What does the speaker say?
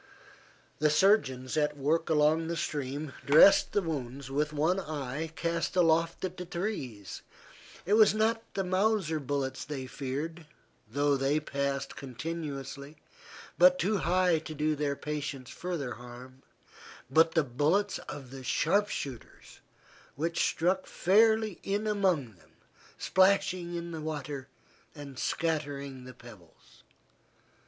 The surgeons at work along the stream dressed the wounds with one eye cast aloft at the trees. It was not the Mauser bullets they feared, though they passed continuously, but too high to do their patients further harm, but the bullets of the sharp shooters which struck fairly in among them, splashing in the water and scattering the pebbles.